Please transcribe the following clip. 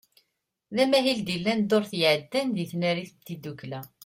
D amahil i d-yellan ddurt iɛeddan deg tnarit n tiddukla.